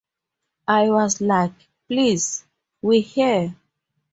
I was like, 'Please, we're here.